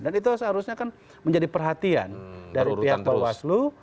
dan itu seharusnya kan menjadi perhatian dari pihak bawah seluruh